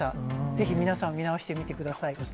ぜひ皆さん、見直してみてください。